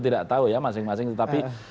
tidak tahu ya masing masing tetapi